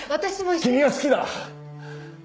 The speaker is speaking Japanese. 君が好きだ。